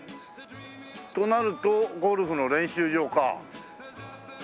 となるとゴルフの練習場か。